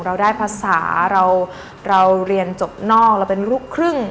เราได้ภาษาเราเรียนจบนอกเราเป็นลูกครึ่ง